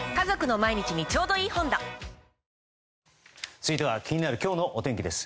続いては、気になる今日のお天気です。